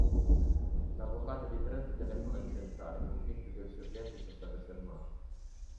L'avvocato di Trent telefona in centrale, convinto che il suo cliente sia stato fermato.